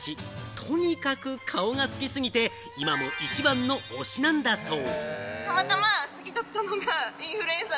とにかく顔が好きすぎて、今も一番の推しなんだそう。